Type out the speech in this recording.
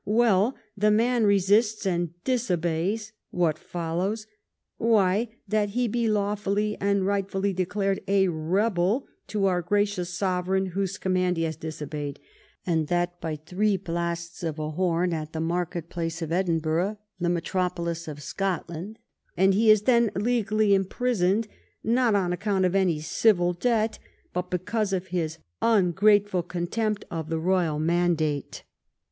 Well, the man resists and disobeys — what follows? Why, that he be lawfully and right fully declared a rebel to our gracious sovereign, whose command he has disobeyed, and that by three blasts of a horn at the market place of Edinburgh, the metropolis of Scotland. And he is then legally im prisoned, not on account of any civil debt, but because of his ungrateful contempt of the Royal mandate.